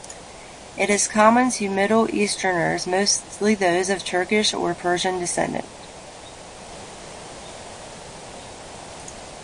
It is common to Middle Easterners, mostly those of Turkish or Persian descent.